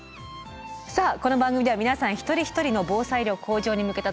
さあこの番組では皆さん一人一人の防災力向上に向けた取り組み